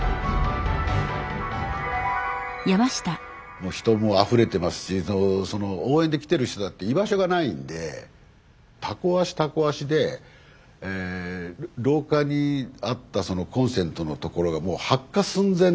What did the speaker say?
もう人もあふれてますし応援で来てる人だって居場所がないんでタコ足タコ足で廊下にあったコンセントのところがもう発火寸前っていう。